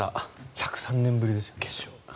１０３年ぶりですよ決勝。